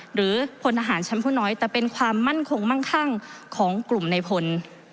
หรือพลทหารชั้นผู้น้อยแต่เป็นความมั่นคงมั่งคั่งของกลุ่มในพล